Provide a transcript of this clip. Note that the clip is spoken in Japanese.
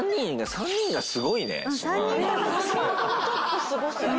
３人ともちょっとすごすぎる！